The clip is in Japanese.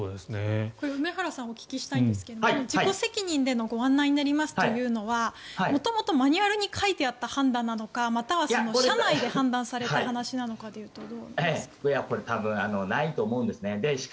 梅原さんにお聞きしたいんですが自己責任でのご案内になりますというのは元々、マニュアルに書いてあった判断なのかまたは車内で判断された話なのかということはどう思いますか？